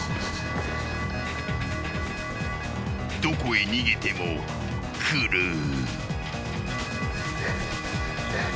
［どこへ逃げても来る］